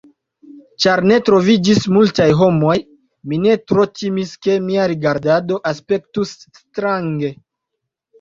Ĉar ne troviĝis multaj homoj, mi ne tro timis ke mia rigardado aspektus strange.